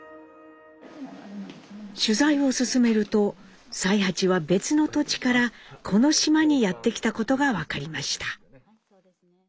取材を進めると才八は別の土地からこの島にやって来たことが分かりました。